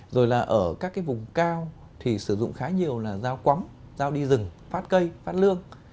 rồi là ở các cái vùng cao thì sử dụng khá nhiều là dao quắm dao đi rừng phát cây phát lương